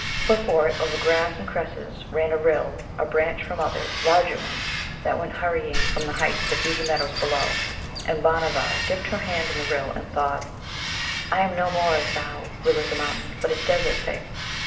Before it, over grass and cresses, ran a rill, a branch from others, larger ones, that went hurrying from the heights to feed the meadows below, and Bhanavar dipped her hand in the rill, and thought, 'I am no more as thou, rill of the mountain, but a desert thing!